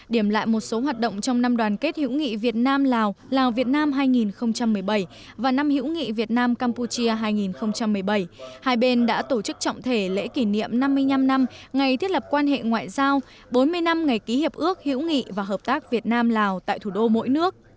điểm lại một số hoạt động trong năm đoàn kết hữu nghị việt nam lào lào việt nam hai nghìn một mươi bảy và năm hữu nghị việt nam campuchia hai nghìn một mươi bảy hai bên đã tổ chức trọng thể lễ kỷ niệm năm mươi năm năm ngày thiết lập quan hệ ngoại giao bốn mươi năm ngày ký hiệp ước hữu nghị và hợp tác việt nam lào tại thủ đô mỗi nước